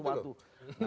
oh tidak mudah itu loh